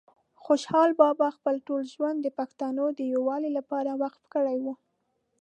خوشحال بابا خپل ټول ژوند د پښتنو د یووالي لپاره وقف کړی وه